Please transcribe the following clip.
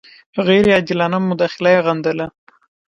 غیر عادلانه مداخله یې غندله.